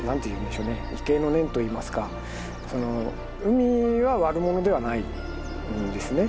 畏敬の念といいますか海は悪者ではないんですね。